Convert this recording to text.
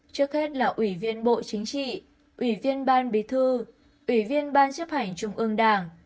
trước hết là ủy viên bộ chính trị ủy viên ban bí thư ủy viên ban chấp hành trung ương đảng